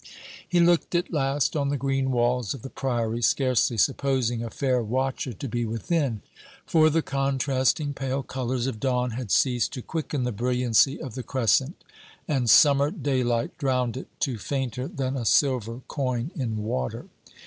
He looked at last on the green walls of the Priory, scarcely supposing a fair watcher to be within; for the contrasting pale colours of dawn had ceased to quicken the brilliancy of the crescent, and summer daylight drowned it to fainter than a silver coin in water.